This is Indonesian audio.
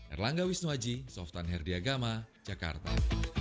erlangga wisnuaji softan herdiagama jakarta